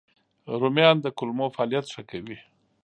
رومیان د کولمو فعالیت ښه کوي